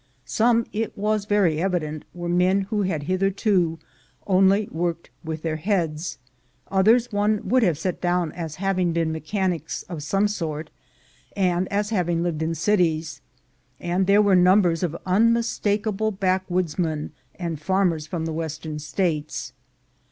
Some, it was very evident, were men who had hitherto only worked with their heads; others one would have set down as having been mechanics of some sort, and as having lived in cities ; and there were numbers of unmistakable backwoodsmen and farmers from the Western States.